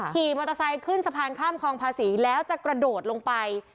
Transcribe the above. ขี่มอเตอร์ไซค์ขึ้นสะพานข้ามคลองภาษีแล้วจะกระโดดลงไป